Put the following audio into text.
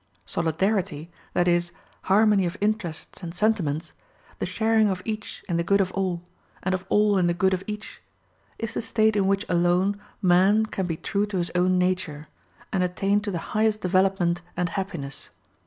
Solidarity, that is, harmony of interests and sentiments, the sharing of each in the good of all, and of all in the good of each, is the state in which alone man can be true to his own nature, and attain to the highest development and happiness.